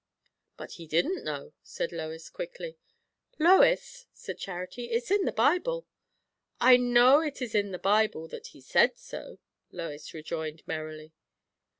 "But he didn't know," said Lois quickly. "Lois!" said Charity "it's in the Bible." "I know it is in the Bible that he said so," Lois rejoined merrily.